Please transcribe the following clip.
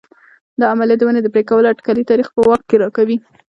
دا عملیه د ونې د پرې کولو اټکلي تاریخ په واک کې راکوي